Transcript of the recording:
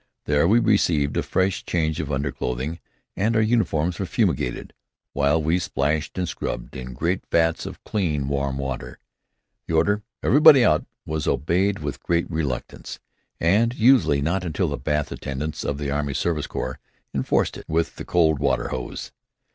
There we received a fresh change of underclothing, and our uniforms were fumigated while we splashed and scrubbed in great vats of clean warm water. The order, "Everybody out!" was obeyed with great reluctance, and usually not until the bath attendants of the Army Service Corps enforced it with the cold water hose.